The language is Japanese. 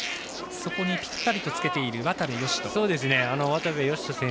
そこにぴったりとつけている渡部善斗。